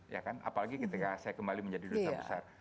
ya kan apalagi ketika saya kembali menjadi duta besar